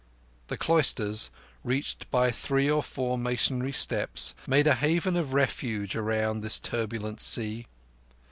The cloisters, reached by three or four masonry steps, made a haven of refuge around this turbulent sea.